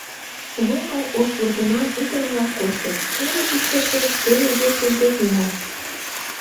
Лум гай ош вургеман ӱдыр-влак коштыт: теве иктыж дек, теве весыж дек мият.